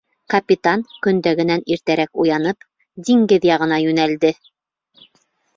Капитан, көндәгенән иртәрәк уянып, диңгеҙ яғына йүнәлде.